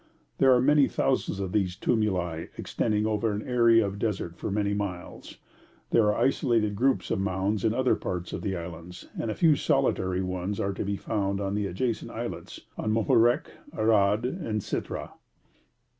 There are many thousands of these tumuli extending over an area of desert for many miles. There are isolated groups of mounds in other parts of the islands, and a few solitary ones are to be found on the adjacent islets, on Moharek, Arad, and Sitrah.